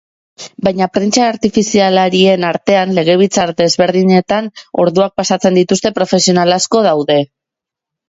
Baina prentsa argazkilarien artean, legebiltzar desberdinetan orduak pasatzen dituzten profesional asko daude.